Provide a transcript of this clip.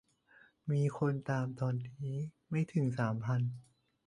มีคนตามตอนนี้ไม่ถึงสามพัน